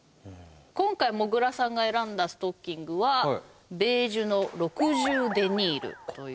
今回もぐらさんが選んだストッキングはベージュの６０デニールという。